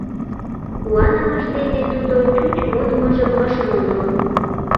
Куанымыж дене тудо чуч модмыжым ыш мондо.